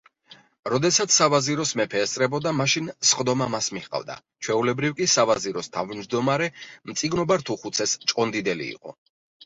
როდესაც სავაზიროს მეფე ესწრებოდა, მაშინ სხდომა მას მიჰყავდა; ჩვეულებრივ კი, სავაზიროს თავმჯდომარე მწიგნობართუხუცეს-ჭყონდიდელი იყო.